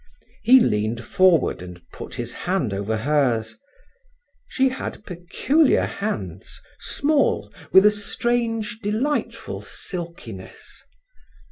He leaned forward and put his hand over hers. She had peculiar hands, small, with a strange, delightful silkiness.